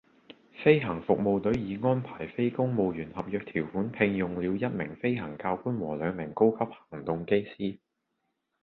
飛行服務隊已按非公務員合約條款聘用了一名飛行教官和兩名高級行動機師